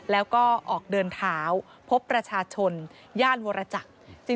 แล้วก็ออกเดินเท้าพบประชาชนย่านวรจักร